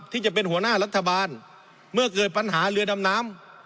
ที่จะเป็นหัวหน้ารัฐบาลเมื่อเกิดปัญหาเรือดำน้ำ